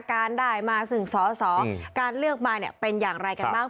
การได้มาซึ่งสอสอการเลือกมาเนี่ยเป็นอย่างไรกันบ้าง